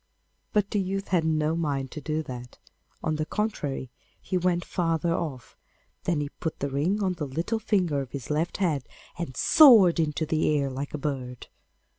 But the youth had no mind to do that; on the contrary, he went farther off, then put the ring on the little finger of his left hand, and soared into the air like a bird.